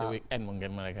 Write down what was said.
masih weekend mungkin mereka